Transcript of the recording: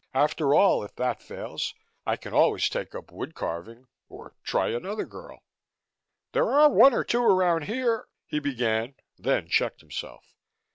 After all, if that fails, I can always take up wood carving. Or try another girl." "There are one or two around here " he began, then checked himself.